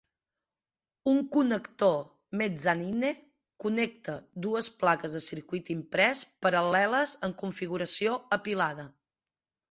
Un connector Mezzanine connecta dues plaques de circuit imprès paral·leles en configuració apilada.